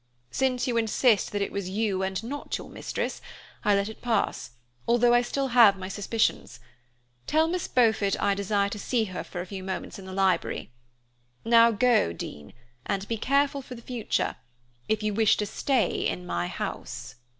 "Since you insist that it was you and not your mistress, I let it pass, although I still have my suspicions. Tell Miss Beaufort I desire to see her for a few moments in the library. Now go, Dean, and be careful for the future, if you wish to stay in my house."